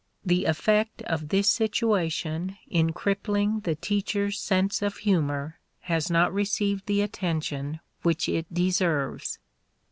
The effect of this situation in crippling the teacher's sense of humor has not received the attention which it deserves.